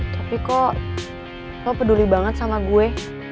tapi kok kau peduli banget sama gue